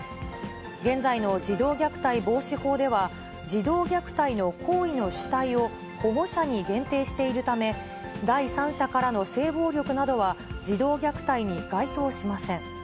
現在の児童虐待防止法では、児童虐待の行為の主体を、保護者に限定しているため、第三者からの性暴力などは、児童虐待に該当しません。